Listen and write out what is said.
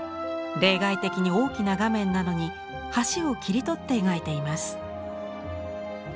例外的に大きな画面なのに橋を切り取って描いています。